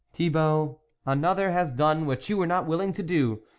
" Thibault, another has done what you were not willing to do.